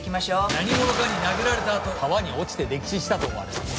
何者かに殴られたあと川に落ちて溺死したと思われます。